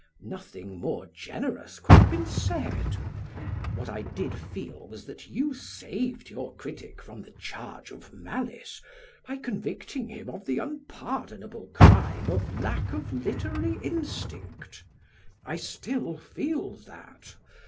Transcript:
Nothing more generous could have been said. What I did feel was that you saved your critic from the charge of malice by convicting him of the unpardonable crime of lack of literary instinct. I still feel that.